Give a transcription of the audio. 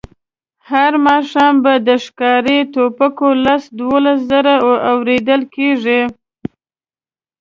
هر ماښام به د ښکاري ټوپکو لس دولس ډزې اورېدل کېدې.